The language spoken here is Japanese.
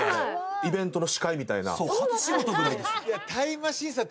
イベントの司会みたいな。